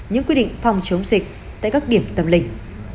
những quy định phòng chống dịch tại các điểm tâm linh